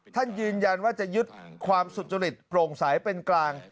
ท่านยืนยันว่าจะยึดความสุจริตโปร่งใสเป็นกลาง